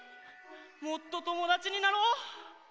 もっとともだちになろう！